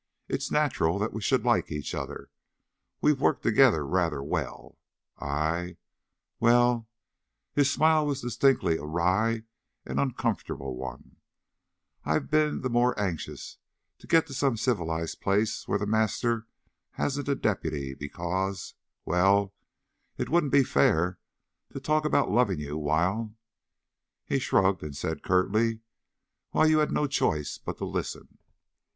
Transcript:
It's natural that we should like each other. We've worked together rather well. I well" his smile was distinctly a wry and uncomfortable one "I've been the more anxious to get to some civilized place where The Master hasn't a deputy because well it wouldn't be fair to talk about loving you while " he shrugged, and said curtly, "while you had no choice but to listen."